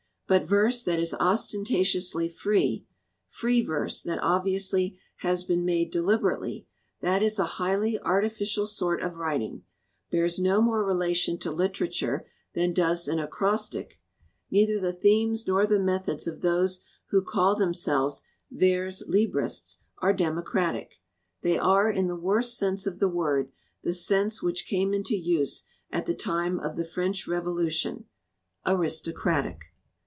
But verse that is ostentatiously free free verse that obviously has been made de liberately that is a highly artificial sort of writing, bears no more relation to literature than does an acrostic. Neither the themes nor the methods of those who call themselves vers Ubristes are democratic; they are, in the worst sense of the word, the sense which came into use at the time of the French Revolution, aristocratic.